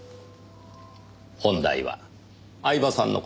本題は饗庭さんの事です。